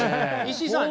石井さん。